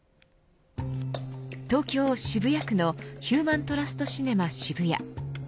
東京、渋谷区のヒューマントラストシネマ渋谷。